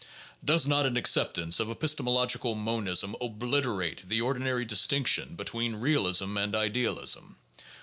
Does not an acceptance of epistemological monism obliterate the ordinary dis tinction between realism and idealism?